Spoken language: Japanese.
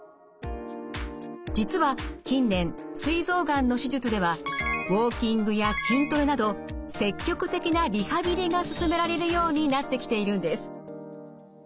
実は近年すい臓がんの手術ではウォーキングや筋トレなど積極的なリハビリが勧められるようになってきているんです。